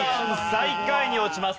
最下位に落ちます。